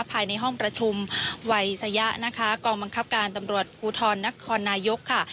ภายในห้องประชุมวัยสยะนะคะกองบังคับการตำรวจภูทรนครนายกค่ะ